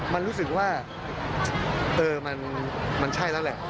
มันรู้สึกว่ามันใช่แล้วแหละ